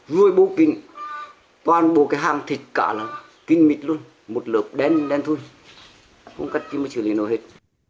ruồi bu kín toàn bộ cái hàng thịt cả là kinh mịt luôn một lớp đen đen thôi không cách chứ mới xử lý nó hết